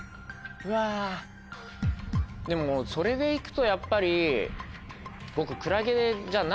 でもそれで行くとやっぱり僕。